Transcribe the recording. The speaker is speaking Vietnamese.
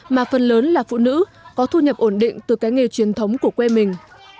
mà phần lớn là phụ nữ có thu nhập ổn định từ cái nghề truyền thống của quê mình